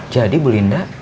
jadi bu linda